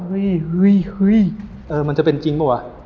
เฮ้ยเฮ้ยมันจะเป็นจริงเปล่าวะ